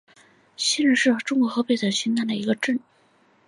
西竖镇是中国河北省邢台市临城县下辖的一个镇。